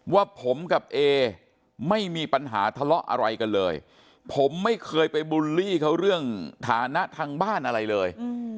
ว่าผมกับเอไม่มีปัญหาทะเลาะอะไรกันเลยผมไม่เคยไปบูลลี่เขาเรื่องฐานะทางบ้านอะไรเลย